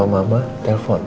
aku juga gak paham